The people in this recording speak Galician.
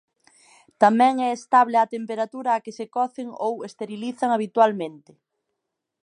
Tamén é estable á temperatura á que se cocen ou esterilizan habitualmente.